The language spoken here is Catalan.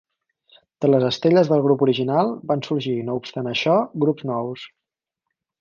De les estelles del grup original van sorgir no obstant això grups nous.